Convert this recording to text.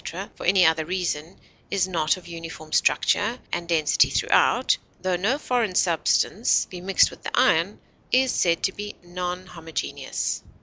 or for any other reason is not of uniform structure and density throughout, tho no foreign substance be mixed with the iron, is said to be non homogeneous.